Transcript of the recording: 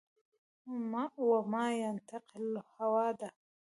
و ما ینطق الهوا ده